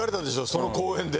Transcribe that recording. その公園で。